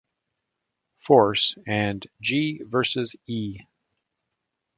Force" and "G versus E".